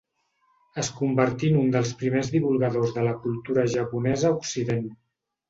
Es convertí en un dels primers divulgadors de la cultura japonesa a Occident.